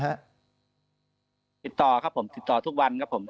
ติดต่อครับผมติดต่อทุกวันครับผม